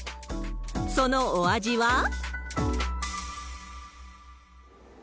そのお味は。